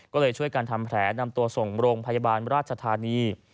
ก็เลยช่วยกันทำแผลนำตัวส่งโรงพยาบาลราชธานี